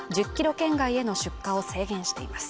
圏外への出荷を制限しています